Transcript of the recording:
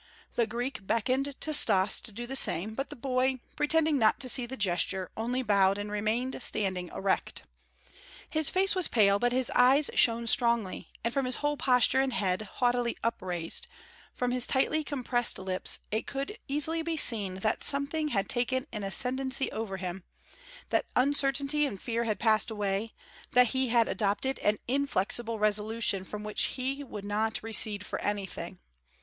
The Greek beckoned to Stas to do the same, but the boy, pretending not to see the gesture, only bowed and remained standing erect. His face was pale, but his eyes shone strongly and from his whole posture and head, haughtily upraised, from his tightly compressed lips it could easily be seen that something had taken an ascendancy over him, that uncertainty and fear had passed away, that he had adopted an inflexible resolution from which he would not recede for anything.